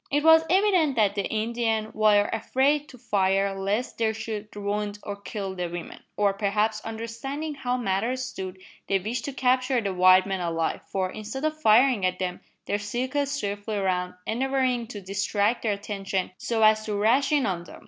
It was evident that the Indians were afraid to fire lest they should wound or kill the women; or, perhaps, understanding how matters stood, they wished to capture the white men alive, for, instead of firing at them, they circled swiftly round, endeavouring to distract their attention so as to rash in on them.